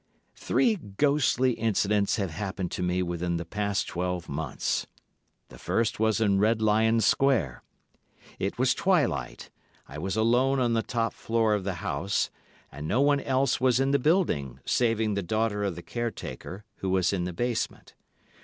Three ghostly incidents have happened to me within the past twelve months. The first was in Red Lion Square. It was twilight; I was alone on the top floor of the house, and no one else was in the building, saving the daughter of the caretaker, who was in the basement.